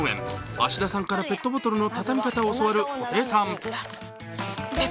芦田さんからペットボトルの畳み方を教わる布袋さん。